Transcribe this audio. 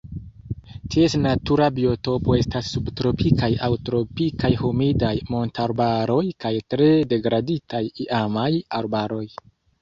Ties natura biotopo estas subtropikaj aŭ tropikaj humidaj montarbaroj kaj tre degraditaj iamaj arbaroj.